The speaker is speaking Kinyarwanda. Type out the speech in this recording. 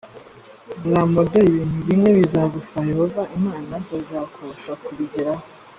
ramo dore ibintu bine bizagufayehova imana bazakosha kubigeraho